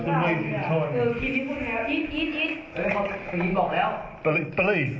คุณเองมันที่นี่